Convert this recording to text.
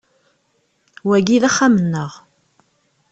Wagi d axxam-nneɣ.